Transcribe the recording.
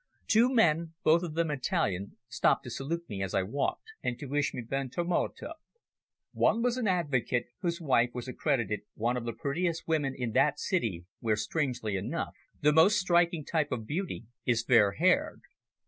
Two men, both of them Italian, stopped to salute me as I walked, and to wish me ben tomato. One was an advocate whose wife was accredited one of the prettiest women in that city where, strangely enough, the most striking type of beauty is fair haired.